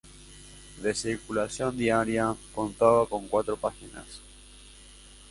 De circulación diaria, contaba con cuatro páginas.